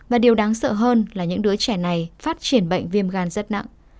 và điều đáng sợ hơn là những đứa trẻ này phát triển bệnh viêm gan rất nặng